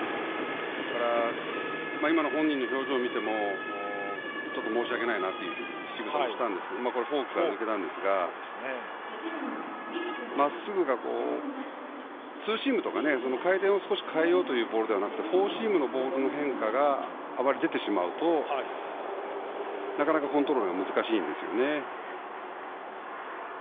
今の本人の表情を見てもちょっと申し訳ないというしぐさをしたんですが今のはフォークが抜けたんですがまっすぐが、ツーシームとか回転を少し変えようというボールではなくてフォーシームのボールの変化があまり出てしまうとなかなかコントロールが難しいんですよね。